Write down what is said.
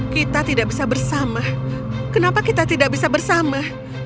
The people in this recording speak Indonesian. kita tidak bisa bersama kenapa kita tidak bisa bersama